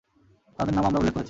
তাদের নামও আমরা উল্লেখ করেছি।